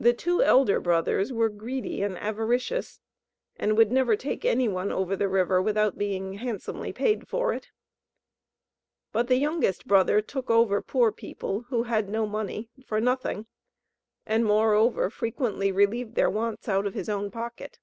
The two elder brothers were greedy and avaricious, and would never take anyone over the river, without being handsomely paid for it. But the youngest brother took over poor people, who had no money, for nothing; and moreover frequently relieved their wants out of his own pocket.